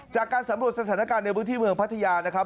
จากการสำรวจสถานการณ์ในพื้นที่เมืองพัทยานะครับ